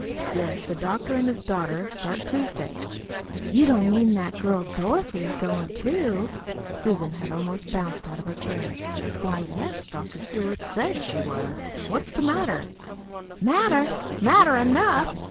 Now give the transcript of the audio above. "Yes. The doctor and his daughter start Tuesday." "You don't mean that girl Dorothy's goin' too?" Susan had almost bounced out of her chair. "Why, yes, Dr. Stewart SAID she was. What's the matter?" "Matter? Matter enough!